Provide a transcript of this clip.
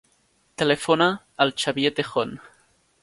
Telefona al Xavier Tejon.